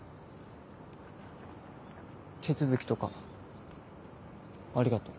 手続きとかありがとう。